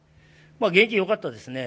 元気よかったですね。